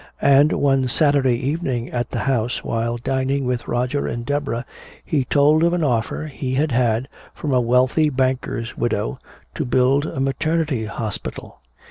And one Saturday evening at the house, while dining with Roger and Deborah, he told of an offer he had had from a wealthy banker's widow to build a maternity hospital.